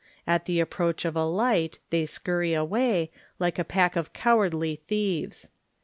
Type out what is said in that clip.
At the approach of a light they scurry away, like a pack of cow ardly thieves.